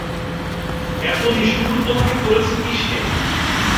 এত নিষ্ঠুর তোমাকে করেছে কিসে।